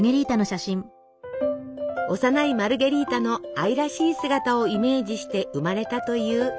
幼いマルゲリータの愛らしい姿をイメージして生まれたというこのお菓子。